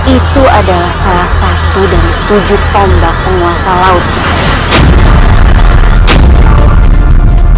itu adalah salah satu dari tujuh bomba hasil largest